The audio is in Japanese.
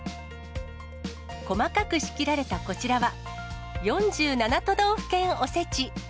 細かく仕切られたこちらは、４７都道府県おせち。